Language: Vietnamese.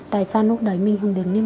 tại sao lúc đấy mình không đứng lên